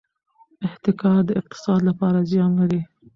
احتکار د اقتصاد لپاره زیان لري.